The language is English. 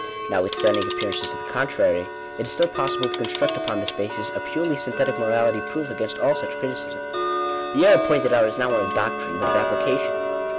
Notwithstanding appearances to the contrary, it is still possible to construct upon this basis, a purely synthetic morality proof against all such criticism. The error pointed out is not one of doctrine, but of applica tion.